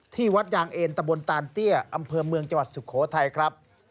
ที่วัดยางเอ็นตะบนตานเตี้ยอำเภอเมืองจังหวัดสุโขทัยครับ